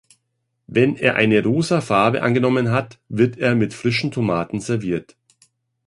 Wenn er eine rosa Farbe angenommen hat, wird er mit frischen Tomaten serviert.